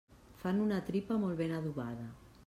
Fan una tripa molt ben adobada.